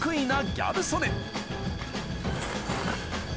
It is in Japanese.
ギャル曽根